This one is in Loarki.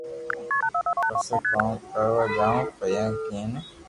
پسي ڪوم ڪروا جاو پييا ڪئي ني